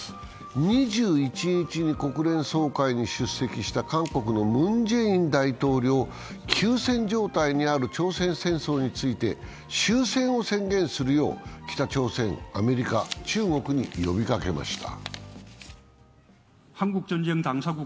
２１日に国連総会に出席した韓国のムン・ジェイン大統領、休戦状態にある朝鮮戦争について、終戦を宣言するよう北朝鮮、アメリカ、中国に呼びかけました。